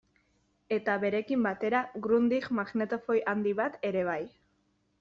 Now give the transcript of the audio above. Eta berekin batera Grundig magnetofoi handi bat ere bai.